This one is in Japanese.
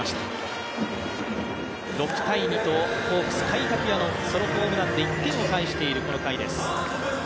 ６−２とホークス、甲斐拓也のホームランで１点を返しているこの回です。